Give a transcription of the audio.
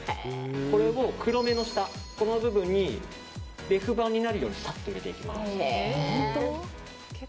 これを、黒目の下の部分にレフ板になるようにサッと入れていきます。